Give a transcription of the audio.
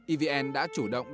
evn đã chủ đề tập đoàn đảo